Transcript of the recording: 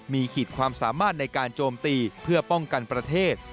มีขีดความสามารถในการโจมตีเพื่อป้องกันประเทศ